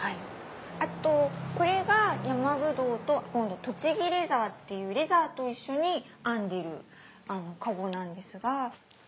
あとこれがヤマブドウと栃木レザーっていうレザーと一緒に編んでる籠なんですが。